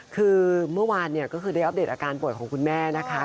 คือเมื่อวานเนี่ยก็คือได้อัปเดตอาการป่วยของคุณแม่นะคะ